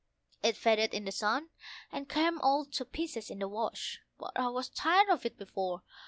It faded in the sun, and came all to pieces in the wash; but I was tired of it before.